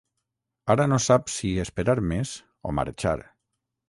Ara no sap si esperar més o marxar.